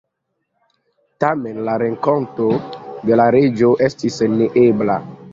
Tamen, la renkonto de la reĝo estis neebla.